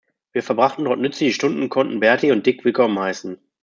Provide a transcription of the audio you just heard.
Wir verbrachten dort nützliche Stunden und konnten Bertie und Dick willkommen heißen.